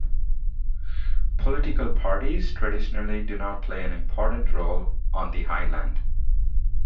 Political parties traditionally do not play an important role on the Island.